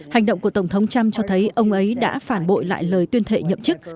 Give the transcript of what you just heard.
hành động của tổng thống trump cho thấy ông ấy đã phản bội lại lời tuyên thệ nhậm chức